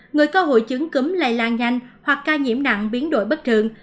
người có hội chứng cứ lây lan nhanh hoặc ca nhiễm nặng biến đổi bất thường